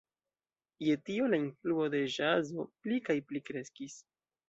Je tio la influo de ĵazo pli kaj pli kreskis.